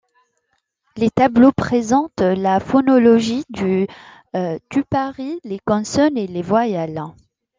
Les tableaux présentent la phonologie du tupari, les consonnes et les voyelles.